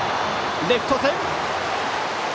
レフト線！